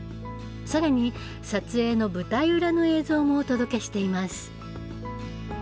更に撮影の舞台裏の映像もお届けしています。